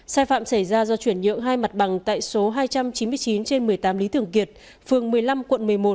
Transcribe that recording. sai phạm xảy ra do chuyển nhượng hai mặt bằng tại số hai trăm chín mươi chín trên một mươi tám lý thường kiệt phường một mươi năm quận một mươi một